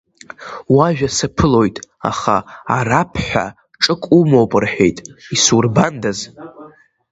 Уажәа саԥылоит, аха Араԥ ҳәа ҽык умоуп рҳәеит, исурбандаз?